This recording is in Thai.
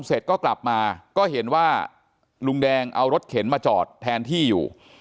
เสร็จก็กลับมาก็เห็นว่าลุงแดงเอารถเข็นมาจอดแทนที่อยู่